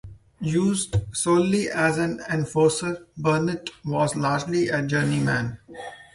Used solely as an enforcer, Burnett was largely a journeyman.